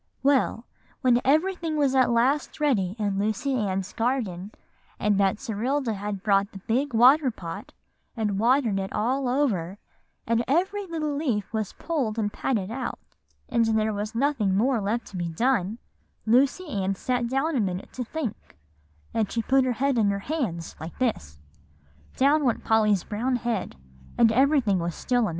"Well, when everything was at last ready in Lucy Ann's Garden, and Betserilda had brought the big water pot, and watered it all over, and every little leaf was pulled and patted out, and nothing more was left to be done, Lucy Ann sat down a minute to think, and she put her head in her hands, like this;" down went Polly's brown head, and everything was still a minute.